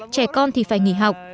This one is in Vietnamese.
trẻ con thì phải nghỉ học